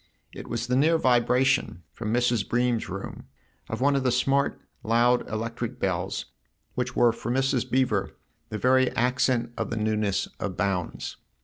It was the near vibration, from Mrs. Bream's room, of one of the smart, loud electric bells which were for Mrs. Beever the very accent of the newness of Bounds.